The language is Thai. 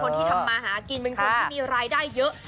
ที่ทำมาหากินเป็นคนที่มีรายได้เยอะ